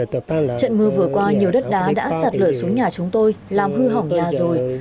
trận mưa vừa qua nhiều đất đá đã sạt lở xuống nhà chúng tôi làm hư hỏng nhà rồi